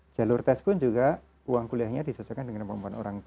jalur tes pun juga uang kuliahnya disesuaikan dengan kemampuan orang tua